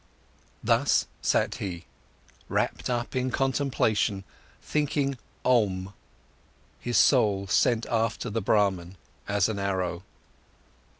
Thus sat he, wrapped up in contemplation, thinking Om, his soul sent after the Brahman as an arrow.